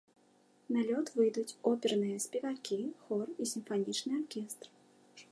На лёд выйдуць оперныя спевакі, хор і сімфанічны аркестр.